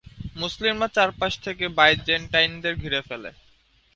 মুসলিমরা চারপাশ থেকে বাইজেন্টাইনদের ঘিরে ফেলে।